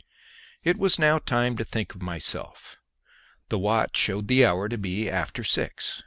It was now time to think of myself. The watch showed the hour to be after six.